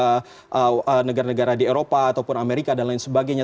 begitu dibandingkan dengan negara negara di eropa ataupun amerika dan lain sebagainya